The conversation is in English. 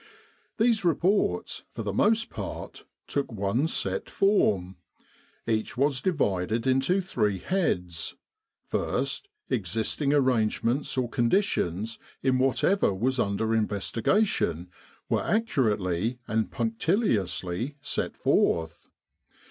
These reports, for the most part, took one set form. Each was divided into three heads. First, existing arrangements or conditions in whatever was under in vestigation, were accurately and punctiliously set forth.